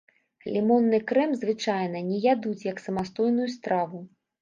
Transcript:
Лімонны крэм звычайна не ядуць як самастойную страву.